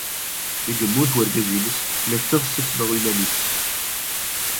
Mi yemmut wergaz-nnes, tella teɣs ad tenɣ iman-nnes.